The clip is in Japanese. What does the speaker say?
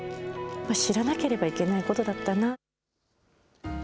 知らなければいけないことだったな。